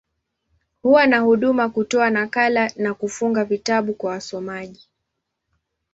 Huwa na huduma za kutoa nakala, na kufunga vitabu kwa wasomaji.